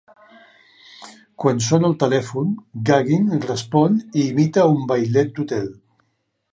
Quan sona el telèfon, Gagin respon i imita un vailet d"hotel.